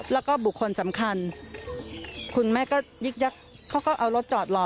แล้วก็บุคคลสำคัญคุณแม่ก็ยึกยักเขาก็เอารถจอดรอ